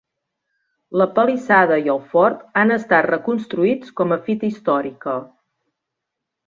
La palissada i el fort han estat reconstruïts com a fita històrica.